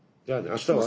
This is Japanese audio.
あしたは？